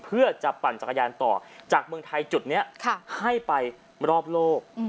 เพื่อจะปั่นจักรยานต่อจากเมืองไทยจุดนี้ให้ไปรอบโลก